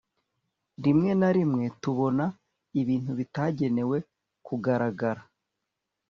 rimwe na rimwe, tubona ibintu bitagenewe kugaragara